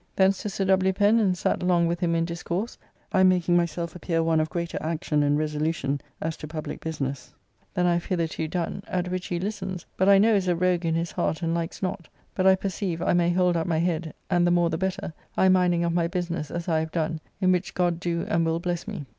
Thence to Sir W. Pen and sat long with him in discourse, I making myself appear one of greater action and resolution as to publique business than I have hitherto done, at which he listens, but I know is a rogue in his heart and likes not, but I perceive I may hold up my head, and the more the better, I minding of my business as I have done, in which God do and will bless me.